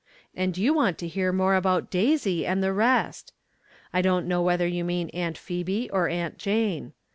And you want to hear more about Daisy and the rest ! I don't know whether you mean Aunt Phebe or Aunt Jane.